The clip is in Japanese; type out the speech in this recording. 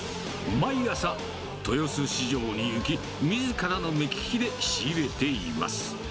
毎朝、豊洲市場に行き、みずからの目利きで仕入れています。